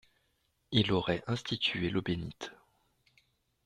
Il aurait institué l'eau bénite.